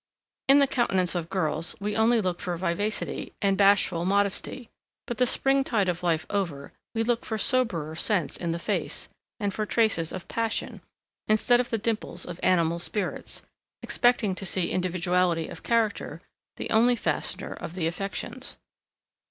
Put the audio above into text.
In the countenance of girls we only look for vivacity and bashful modesty; but, the springtide of life over, we look for soberer sense in the face, and for traces of passion, instead of the dimples of animal spirits; expecting to see individuality of character, the only fastener of the affections.